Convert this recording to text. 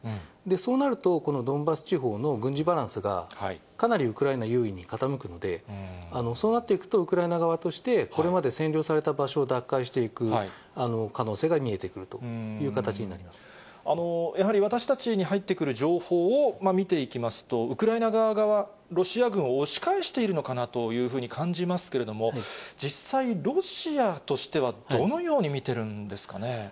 そうなると、ドンバス地方の軍事バランスがかなりウクライナ優位に傾くので、そうなっていくと、ウクライナ側として、これまで占領された場所を奪還していく可能性が見えてくるという形になりまやはり私たちに入ってくる情報を見ていきますと、ウクライナ側が、ロシア軍を押し返しているのかなというふうに感じますけれども、実際、ロシアとしてはどのように見てるんですかね。